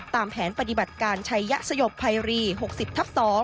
ตามแผนปฏิบัติการใช้ยะชะยกไพรี๖๐ทับ๒